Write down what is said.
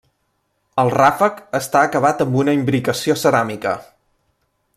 El ràfec està acabat amb una imbricació ceràmica.